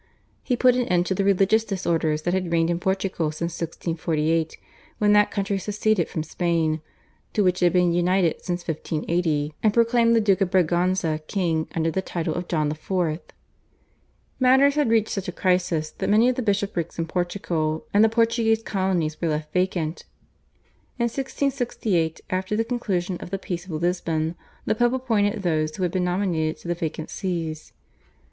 He put an end to the religious disorders that had reigned in Portugal since 1648, when that country seceded from Spain to which it had been united since 1580, and proclaimed the Duke of Braganza king under the title of John IV. Matters had reached such a crisis that many of the bishoprics in Portugal and the Portuguese colonies were left vacant. In 1668 after the conclusion of the Peace of Lisbon the Pope appointed those who had been nominated to the vacant Sees.